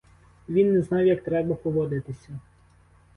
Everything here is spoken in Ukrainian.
Він не знав, як треба поводитися.